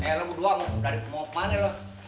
nih lo mau doang dari mau kemana lo